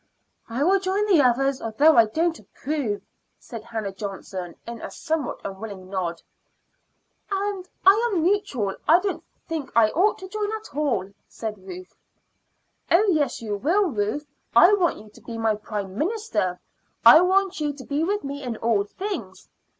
"I will join the others, although I don't approve," said Hannah Johnson, with a somewhat unwilling nod. "And I am neutral. I don't think I ought to join at all," said Ruth. "Oh, yes, you will, Ruth. I want you to be my Prime Minister, I want you to be with me in all things."